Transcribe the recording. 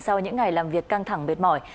sau những ngày làm việc căng thẳng mệt mỏi